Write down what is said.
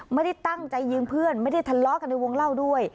ไม่ได้ตั้งใจยิงเพื่อนไม่ได้ทะเลาะกันในวงเล่าด้วย